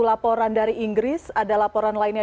laporan dari inggris ada laporan lainnya